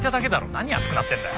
何熱くなってんだよ？